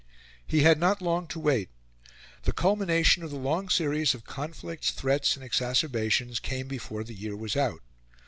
He had not long to wait. The culmination of the long series of conflicts, threats, and exacerbations came before the year was out.